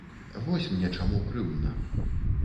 Вось мне чаму крыўдна.